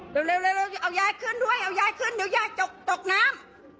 เร็วเอายายขึ้นด้วยเอายายขึ้นเดี๋ยวยายตกน้ำ